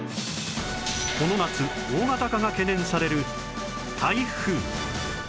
この夏大型化が懸念される台風